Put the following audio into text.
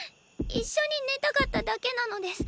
一緒に寝たかっただけなのです。